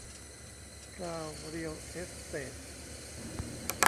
พราว เรียล เอสเตท